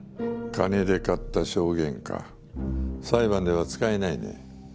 金で買った証言か裁判では使えないね。